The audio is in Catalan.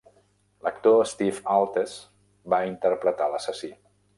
L'actor Steve Altes va interpretar l'assassí.